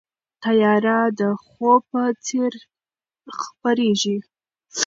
تیاره د خوب په څېر خپرېږي.